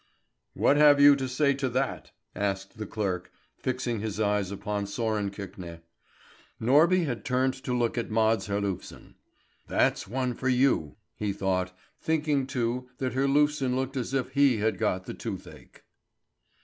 "What have you to say to that?" asked the clerk, fixing his eyes upon Sören Kvikne. Norby had turned to look at Mads Herlufsen. "That's one for you!" he thought, thinking too that Herlufsen looked as if he had got the toothache.